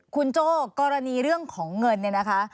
คุณโจ้กรณีเรื่องของเงินเนี่ยนะคะ